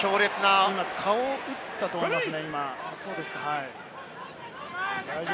堀江、今、顔を打ったと思いますね。